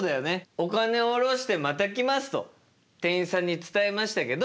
「お金をおろしてまた来ます」と店員さんに伝えましたけど。